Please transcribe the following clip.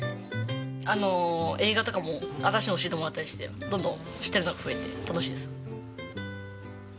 映画とかも新しいの教えてもらったりしてどんどん知ってるのが増えて楽しいです。